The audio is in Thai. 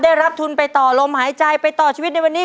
ได้รับทุนไปต่อลมหายใจไปต่อชีวิตในวันนี้